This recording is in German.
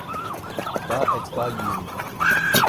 Da Edgar jun.